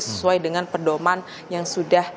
sesuai dengan pedoman yang sudah